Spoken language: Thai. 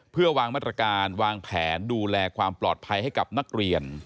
เพื่อวางมาตรการวางแผนดูแลความปลอดภัยให้กับนักเรียน